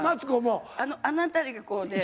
あの辺りがこうね。